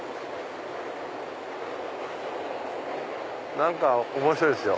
何か面白いっすよ。